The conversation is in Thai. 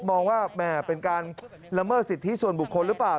มองว่าแหมเป็นการละเมิดสิทธิส่วนบุคคลหรือเปล่า